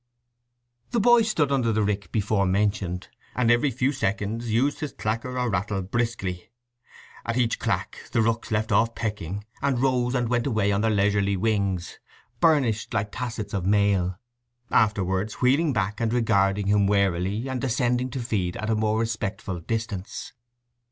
The boy stood under the rick before mentioned, and every few seconds used his clacker or rattle briskly. At each clack the rooks left off pecking, and rose and went away on their leisurely wings, burnished like tassets of mail, afterwards wheeling back and regarding him warily, and descending to feed at a more respectful distance.